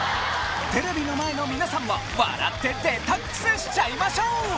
テレビの前の皆さんも笑ってデトックスしちゃいましょう！